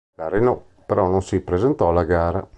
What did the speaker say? La Renault però non si presentò alla gara.